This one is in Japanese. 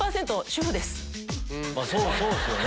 そうっすよね。